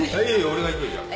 俺が行くよじゃあ